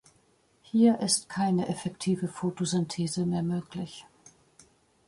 Hier ist keine effektive Photosynthese mehr möglich.